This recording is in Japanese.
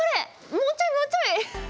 もうちょいもうちょい。